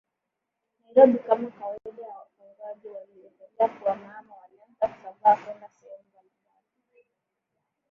NairobiKama kawaida ya wafugaji waliendelea kuhamahama Walianza kusambaa kwenda sehemu mbalimbali